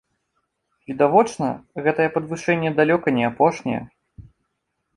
Відавочна, гэтае падвышэнне далёка не апошняе.